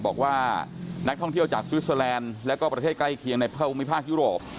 บอกว่านักท่องเที่ยวจากสวิสเตอร์แลนด์แล้วก็ประเทศใกล้เคียงในภูมิภาคยุโรป